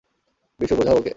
বিশু, বোঝাও ওকে!